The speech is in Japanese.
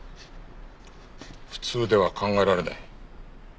普通では考えられない。